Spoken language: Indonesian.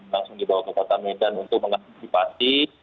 langsung dibawa ke kota medan untuk mengantisipasi